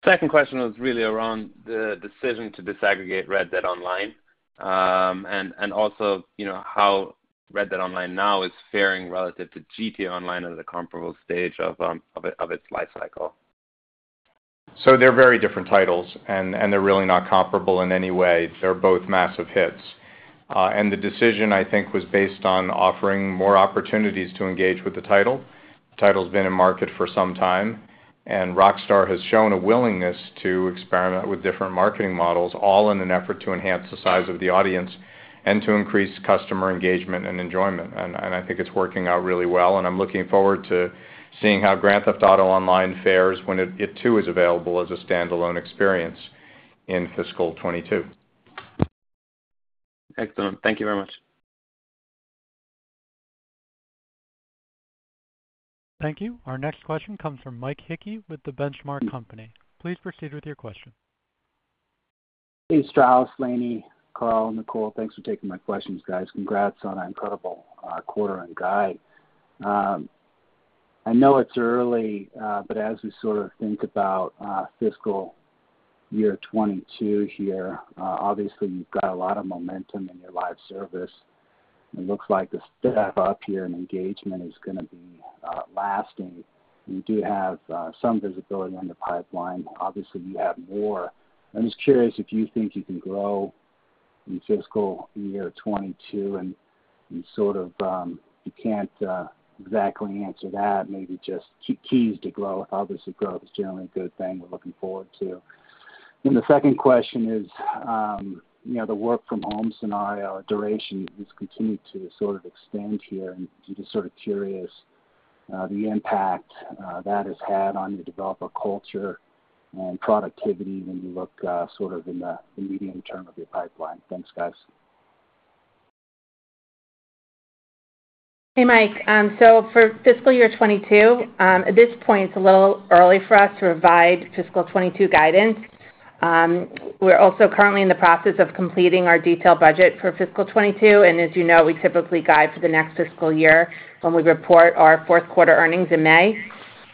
Second question was really around the decision to disaggregate Red Dead Online and also how Red Dead Online now is faring relative to GTA Online at a comparable stage of its life cycle? They're very different titles, and they're really not comparable in any way. They're both massive hits. The decision, I think, was based on offering more opportunities to engage with the title. The title's been in market for some time, and Rockstar has shown a willingness to experiment with different marketing models, all in an effort to enhance the size of the audience and to increase customer engagement and enjoyment. I think it's working out really well, and I'm looking forward to seeing how Grand Theft Auto Online fares when it too is available as a standalone experience in fiscal 2022. Excellent. Thank you very much. Thank you. Our next question comes from Mike Hickey with The Benchmark Company. Please proceed with your question. Hey, Strauss, Lainie, Karl, Nicole, thanks for taking my questions, guys. Congrats on an incredible quarter and guide. I know it's early, as we sort of think about fiscal year 2022 here, obviously you've got a lot of momentum in your live service. It looks like the step up here in engagement is going to be lasting. You do have some visibility on the pipeline. Obviously, you have more. I'm just curious if you think you can grow in fiscal year 2022, you can't exactly answer that, maybe just keys to growth. Obviously, growth is generally a good thing we're looking forward to. The second question is the work from home scenario duration has continued to sort of extend here, and just sort of curious the impact that has had on your developer culture and productivity when you look sort of in the medium term of your pipeline? Thanks, guys. Hey, Mike. For fiscal year 2022, at this point it's a little early for us to provide fiscal 2022 guidance. We're also currently in the process of completing our detailed budget for fiscal 2022, as you know, we typically guide for the next fiscal year when we report our fourth quarter earnings in May.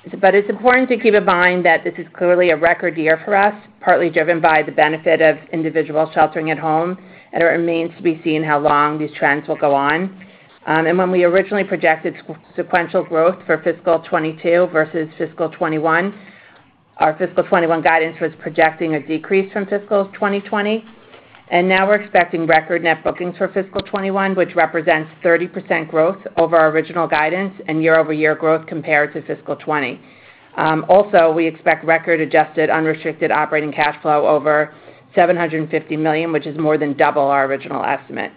It's important to keep in mind that this is clearly a record year for us, partly driven by the benefit of individuals sheltering at home, it remains to be seen how long these trends will go on. When we originally projected sequential growth for fiscal 2022 versus fiscal 2021, our fiscal 2021 guidance was projecting a decrease from fiscal 2020. Now we're expecting record net bookings for fiscal 2021, which represents 30% growth over our original guidance and year-over-year growth compared to fiscal 2020. We expect record adjusted unrestricted operating cash flow over $750 million, which is more than double our original estimate.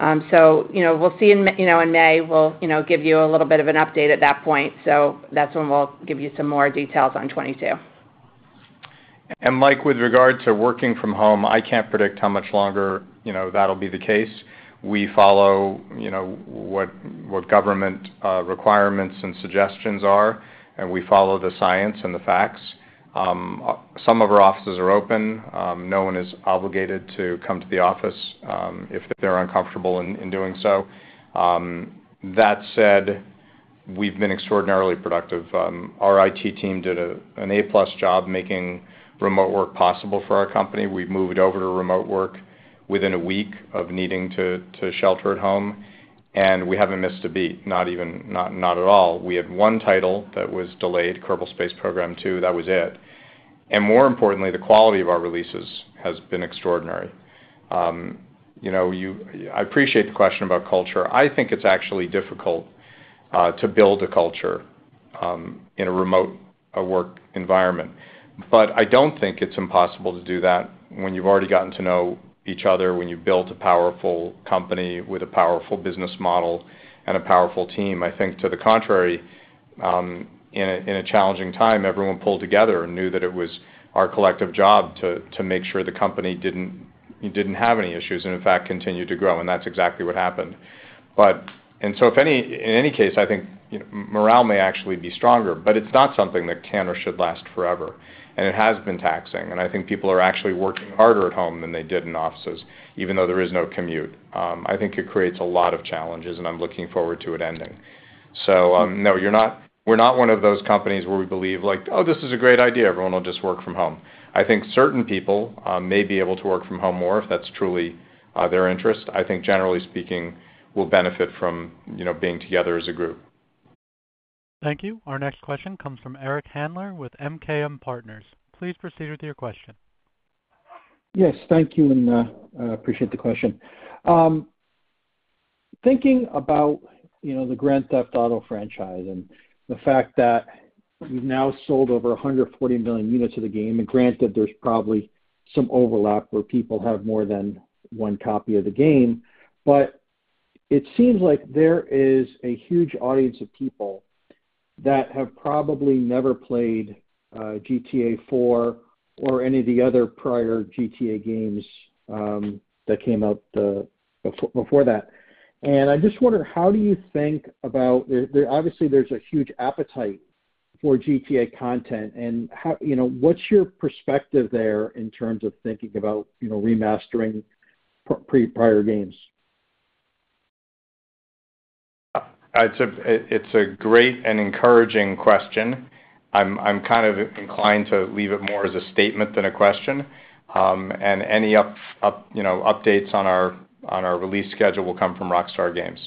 We'll see in May. We'll give you a little bit of an update at that point. That's when we'll give you some more details on 2022. And Mike, with regard to working from home, I can't predict how much longer that'll be the case. We follow what government requirements and suggestions are, and we follow the science and the facts. Some of our offices are open. No one is obligated to come to the office if they're uncomfortable in doing so. That said, we've been extraordinarily productive. Our IT team did an A+ job making remote work possible for our company. We've moved over to remote work within a week of needing to shelter at home, and we haven't missed a beat, not at all. We had one title that was delayed, Kerbal Space Program 2. That was it. More importantly, the quality of our releases has been extraordinary. I appreciate the question about culture. I think it's actually difficult to build a culture in a remote work environment. I don't think it's impossible to do that when you've already gotten to know each other, when you've built a powerful company with a powerful business model and a powerful team. I think to the contrary, in a challenging time, everyone pulled together and knew that it was our collective job to make sure the company didn't have any issues, and in fact, continued to grow. That's exactly what happened. If in any case, I think morale may actually be stronger, but it's not something that can or should last forever. It has been taxing, and I think people are actually working harder at home than they did in offices, even though there is no commute. I think it creates a lot of challenges, and I'm looking forward to it ending. No, we're not one of those companies where we believe like, "Oh, this is a great idea. Everyone will just work from home." I think certain people may be able to work from home more if that's truly their interest. I think generally speaking, we'll benefit from being together as a group. Thank you. Our next question comes from Eric Handler with MKM Partners. Please proceed with your question. Yes. Thank you. I appreciate the question. Thinking about the Grand Theft Auto franchise and the fact that you've now sold over 140 million units of the game, and granted there's probably some overlap where people have more than one copy of the game. It seems like there is a huge audience of people that have probably never played GTA IV or any of the other prior GTA games that came out before that. I just wonder, how do you think about? Obviously there's a huge appetite for GTA content. What's your perspective there in terms of thinking about remastering prior games? It's a great and encouraging question. I'm kind of inclined to leave it more as a statement than a question. Any updates on our release schedule will come from Rockstar Games.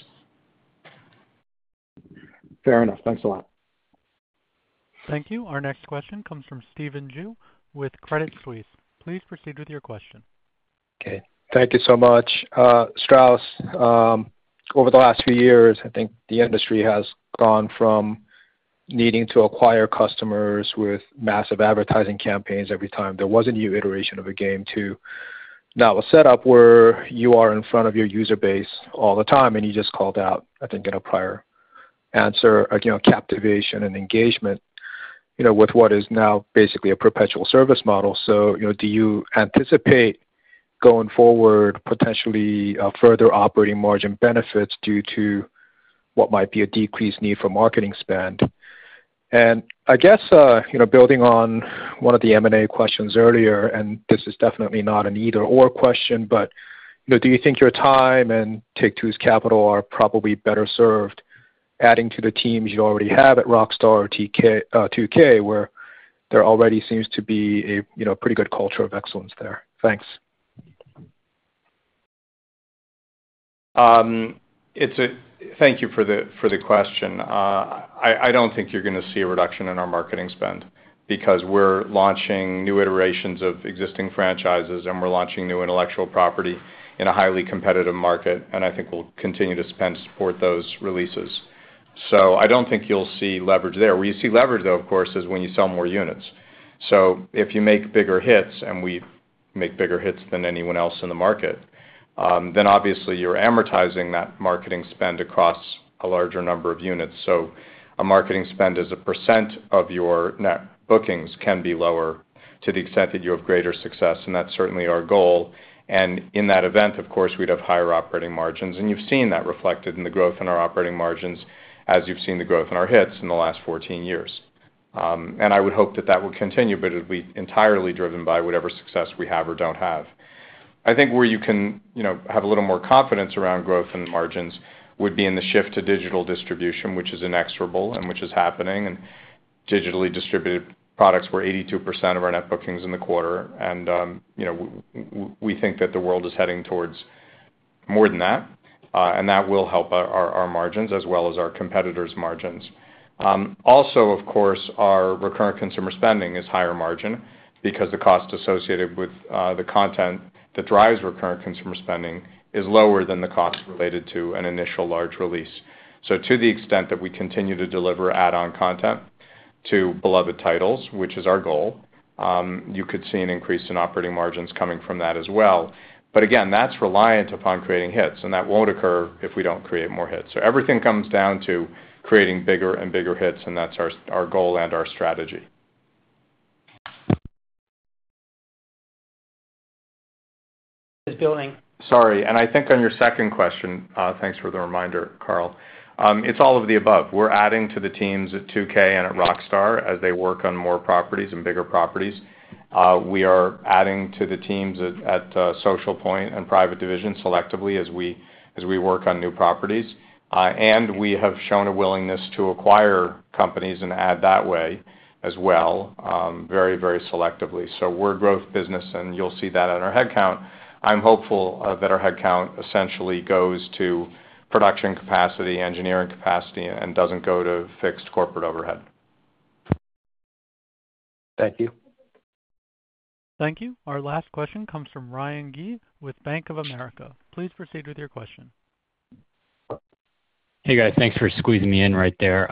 Fair enough. Thanks a lot. Thank you. Our next question comes from Stephen Ju with Credit Suisse. Please proceed with your question. Okay. Thank you so much. Strauss, over the last few years, I think the industry has gone from needing to acquire customers with massive advertising campaigns every time there was a new iteration of a game to now a setup where you are in front of your user base all the time, and you just called out, I think in a prior answer, captivation and engagement with what is now basically a perpetual service model. Do you anticipate, going forward, potentially further operating margin benefits due to what might be a decreased need for marketing spend? I guess, building on one of the M&A questions earlier, and this is definitely not an either/or question, but do you think your time and Take-Two's capital are probably better served adding to the teams you already have at Rockstar or 2K, where there already seems to be a pretty good culture of excellence there? Thanks. Thank you for the question. I don't think you're going to see a reduction in our marketing spend because we're launching new iterations of existing franchises, and we're launching new intellectual property in a highly competitive market, and I think we'll continue to spend to support those releases. I don't think you'll see leverage there. Where you see leverage, though, of course, is when you sell more units. If you make bigger hits, and we make bigger hits than anyone else in the market, then obviously you're amortizing that marketing spend across a larger number of units. A marketing spend as a % of your net bookings can be lower to the extent that you have greater success, and that's certainly our goal. In that event, of course, we'd have higher operating margins, and you've seen that reflected in the growth in our operating margins as you've seen the growth in our hits in the last 14 years. I would hope that that would continue, but it'd be entirely driven by whatever success we have or don't have. I think where you can have a little more confidence around growth in the margins would be in the shift to digital distribution, which is inexorable and which is happening, and digitally distributed products were 82% of our net bookings in the quarter and we think that the world is heading towards more than that, and that will help our margins as well as our competitors' margins. Of course, our recurrent consumer spending is higher margin because the cost associated with the content that drives recurrent consumer spending is lower than the cost related to an initial large release. To the extent that we continue to deliver add-on content to beloved titles, which is our goal, you could see an increase in operating margins coming from that as well. Again, that's reliant upon creating hits, and that won't occur if we don't create more hits. Everything comes down to creating bigger and bigger hits, and that's our goal and our strategy. Is building. Sorry, I think on your second question, thanks for the reminder, Karl. It's all of the above. We're adding to the teams at 2K and at Rockstar as they work on more properties and bigger properties. We are adding to the teams at Socialpoint and Private Division selectively as we work on new properties. We have shown a willingness to acquire companies and add that way as well, very selectively. We're a growth business, and you'll see that in our head count. I'm hopeful that our head count essentially goes to production capacity, engineering capacity, and doesn't go to fixed corporate overhead. Thank you. Thank you. Our last question comes from Ryan Gee with Bank of America. Please proceed with your question. Hey, guys. Thanks for squeezing me in right there.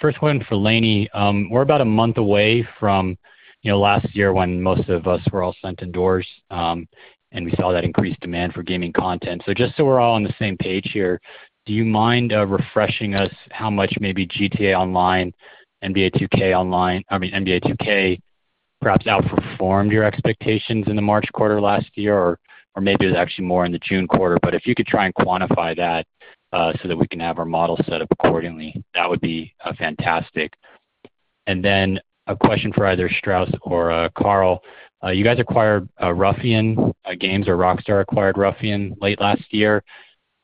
First one for Lainie. We're about a month away from last year when most of us were all sent indoors and we saw that increased demand for gaming content. Just so we're all on the same page here, do you mind refreshing us how much maybe GTA Online, NBA 2K perhaps outperformed your expectations in the March quarter last year? Maybe it was actually more in the June quarter, but if you could try and quantify that so that we can have our model set up accordingly, that would be fantastic. Then a question for either Strauss or Karl. You guys acquired Ruffian Games, or Rockstar acquired Ruffian late last year.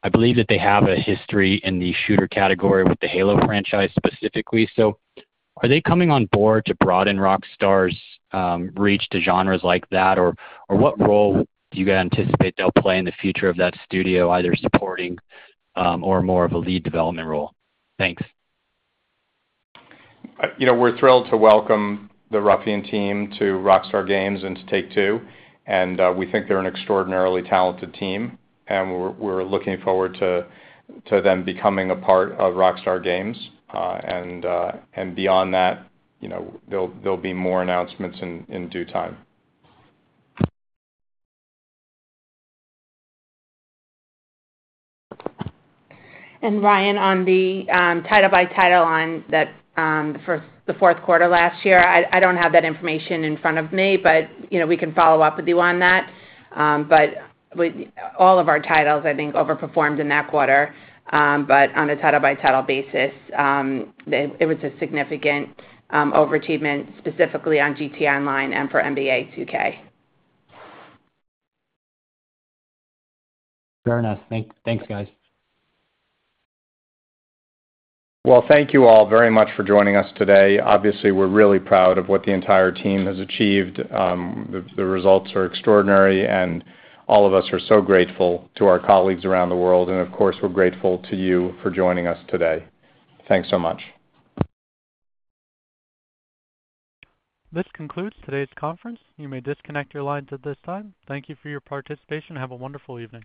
I believe that they have a history in the shooter category with the Halo franchise specifically. Are they coming on board to broaden Rockstar's reach to genres like that? Or what role do you guys anticipate they'll play in the future of that studio, either supporting or more of a lead development role? Thanks. We're thrilled to welcome the Ruffian team to Rockstar Games and to Take-Two, and we think they're an extraordinarily talented team, and we're looking forward to them becoming a part of Rockstar Games. Beyond that, there'll be more announcements in due time. Ryan, on the title-by-title on the fourth quarter last year, I don't have that information in front of me, but we can follow up with you on that. All of our titles, I think, overperformed in that quarter. On a title-by-title basis, it was a significant overachievement, specifically on GTA Online and for NBA 2K. Fair enough. Thanks, guys. Well, thank you all very much for joining us today. Obviously, we're really proud of what the entire team has achieved. The results are extraordinary, and all of us are so grateful to our colleagues around the world, and of course, we're grateful to you for joining us today. Thanks so much. This concludes today's conference. You may disconnect your lines at this time. Thank you for your participation. Have a wonderful evening.